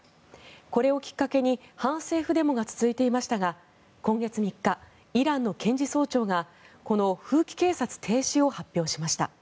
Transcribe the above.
これをきっかけに反政府デモが続いていましたが今月３日、イランの検事総長がこの風紀警察停止を発表しました。